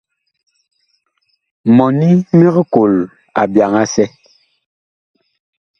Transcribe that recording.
Mɔni mig kol abyaŋ asɛ.